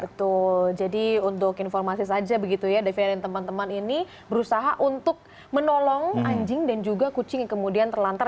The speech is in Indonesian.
betul jadi untuk informasi saja begitu ya devia dan teman teman ini berusaha untuk menolong anjing dan juga kucing yang kemudian terlantar